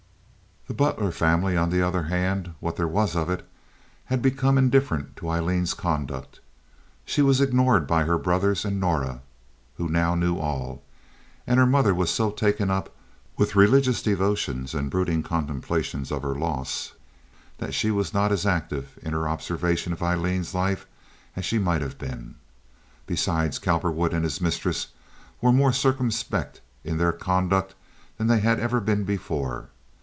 The Butler family, on the other hand, what there was of it, had become indifferent to Aileen's conduct. She was ignored by her brothers and Norah, who now knew all; and her mother was so taken up with religious devotions and brooding contemplation of her loss that she was not as active in her observation of Aileen's life as she might have been. Besides, Cowperwood and his mistress were more circumspect in their conduct than they had ever been before.